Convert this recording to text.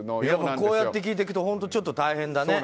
こうやって聞いていくと本当に大変だね。